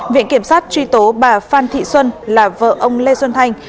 viện kiểm sát truy tố bà phan thị xuân là vợ ông lê xuân thanh